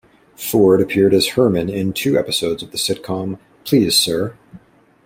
Forde appeared as Herman in two episodes of the sitcom "Please Sir!".